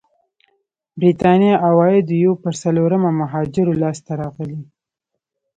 برېتانيا عوايدو یو پر څلورمه مهاجرو لاسته راغلي.